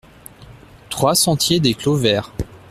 trois sentier des Clos Vert